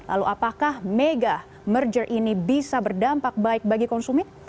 lalu apakah mega merger ini bisa berdampak baik bagi konsumen